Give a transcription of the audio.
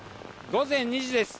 午前２時です。